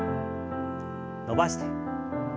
伸ばして。